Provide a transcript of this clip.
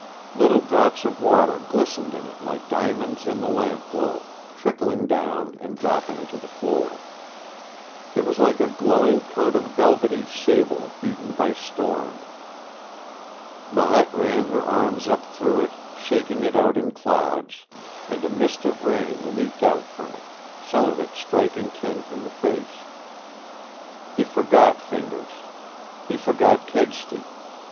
Little drops of water glistened in it like diamonds in the lamp glow, trickling down and dropping to the floor. It was like a glowing coat of velvety sable beaten by storm. Marette ran her arms up through it, shaking it out in clouds, and a mist of rain leaped out from it, some of it striking Kent in the face. He forgot Fingers. He forgot Kedsty.